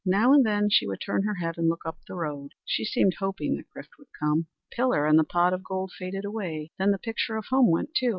Now and then she would turn her head and look up the road. She seemed hoping that Chrif would come. The pillar and the pot of gold faded away; then the picture of home went too.